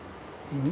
うん？